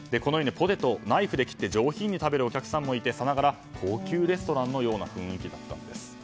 ポテトをナイフで切って上品に食べるお客さんもいてさながら高級レストランのような雰囲気だったんです。